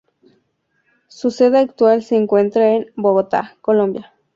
Su sede actual se encuentra en Bogotá, Colombia.